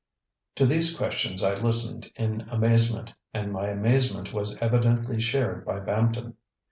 ŌĆØ To these questions I listened in amazement, and my amazement was evidently shared by Bampton.